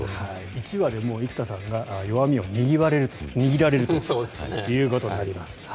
１話で生田さんが弱みを握られるということになります。